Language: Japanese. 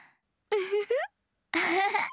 ウフフ。